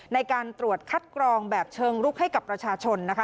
ในการตรวจคัดกรองแบบเชิงลุกให้กับประชาชนนะคะ